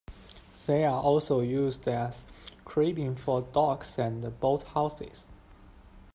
They are also used as cribbing for docks and boathouses.